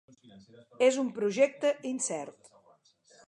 És un projecte incert.